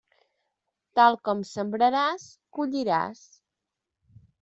Tal com sembraràs, colliràs.